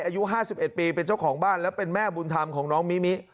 อายุ๕๑ปีเป็นเจ้าของบ้านและเป็นแม่บุญธรรมของน้องมิมิ